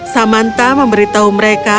samantha memberitahu mereka